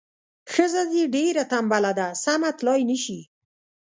ښځه دې ډیره تنبله ده سمه تلای نه شي.